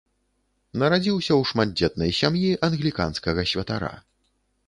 Нарадзіўся ў шматдзетнай сям'і англіканскага святара.